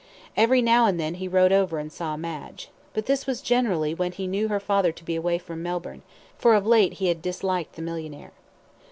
Every now and then he rode over and saw Madge. But this was generally when he knew her father to be away from Melbourne, for of late he had disliked the millionaire.